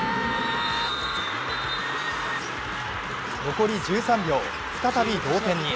残り１３秒、再び同点に。